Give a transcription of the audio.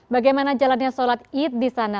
bagaimana jalannya solat idul fitri di sana